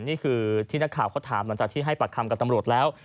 นี่คือที่นักข่าวเขาถามหลังจากที่ให้ปากคำกับตำรวจแล้ว